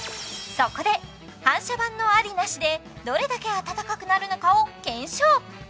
そこで反射板のありなしでどれだけあたたかくなるのかを検証